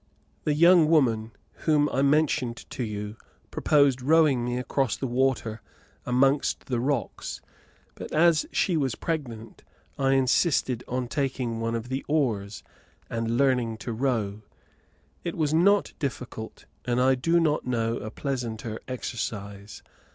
The young woman whom I mentioned to you proposed rowing me across the water amongst the rocks; but as she was pregnant, I insisted on taking one of the oars, and learning to row. It was not difficult, and I do not know a pleasanter exercise.